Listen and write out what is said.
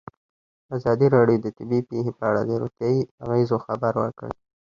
ازادي راډیو د طبیعي پېښې په اړه د روغتیایي اغېزو خبره کړې.